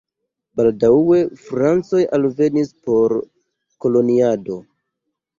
Baldaŭe francoj alvenis por koloniado.